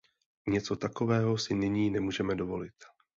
Něco takového si nyní nemůžeme dovolit.